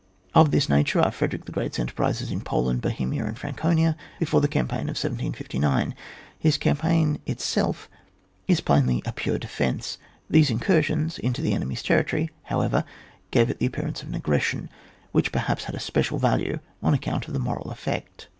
Of this nature are Frederick the Great's enterprises in Poland, Bo hemia and Franconia, before the cam paign of 1759. His campaign itself is plainly a pure defence ; these incursions into the enemy's territory, howeyer, gave it the appearance of an aggression, which perhaps had a special value on account of the moral effect.